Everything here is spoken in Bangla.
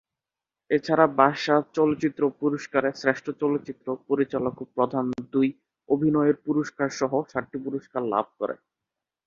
এছাড়া বাচসাস চলচ্চিত্র পুরস্কারে শ্রেষ্ঠ চলচ্চিত্র, পরিচালক ও প্রধান দুই অভিনয়ের পুরস্কারসহ সাতটি পুরস্কার লাভ করে।